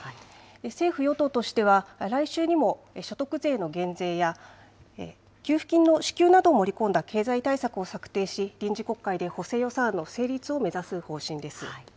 政府・与党としては、来週にも所得税の減税や、給付金の支給などを盛り込んだ経済対策を策定し、臨時国会で補正予算案の成立を目指す方針です。